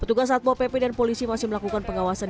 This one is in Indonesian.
petugas satpol pp dan polisi masih melakukan pengawasan